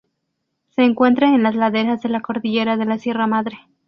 Se encuentra en las laderas de la cordillera de la Sierra Madre.